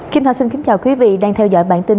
kim thạch xin kính chào quý vị đang theo dõi bản tin